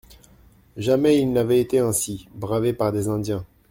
Jamais ils n'avaient été ainsi bravés par des Indiens.